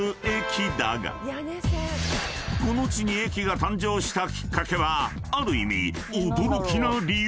［この地に駅が誕生したきっかけはある意味驚きの理由！］